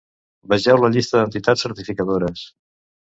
Vegeu la llista d'entitats certificadores.